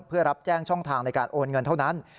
เพื่อรับแจ้งช่องทางในการโอนเงินเท่านั้น